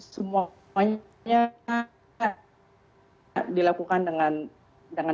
semuanya dilakukan dengan baik